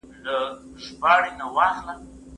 ډاډ ورکول.